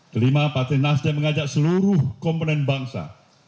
kelima partai nasdem mengajak seluruh komponen bangsa